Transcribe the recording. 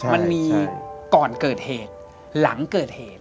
มันมีก่อนเกิดเหตุหลังเกิดเหตุ